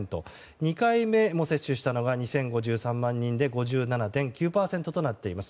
２回目も接種したのは２０５３万人で５７．９％となっています。